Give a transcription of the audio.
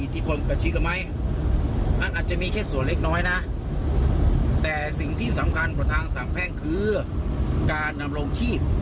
ทางสามแห้งถามว่ามันมีอีธิพลกระชิดหรือไม่